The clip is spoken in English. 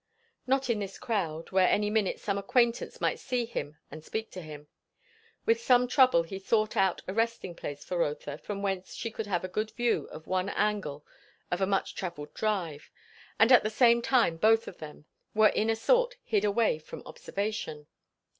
Not in this crowd, where any minute some acquaintance might see him and speak to him. With some trouble he sought out a resting place for Rotha from whence she could have a good view of one angle of a much travelled drive, and at the same time both of them were in a sort hid away from observation.